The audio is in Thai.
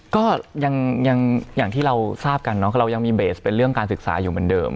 ก็ยังอย่างที่เราทราบกันเนาะเรายังมีเบสเป็นเรื่องการศึกษาอยู่เหมือนเดิม